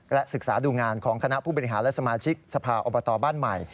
ศึกษาดูงานของคณะผู้บริหารและสมาชิกสภาอบตบ้านใหม่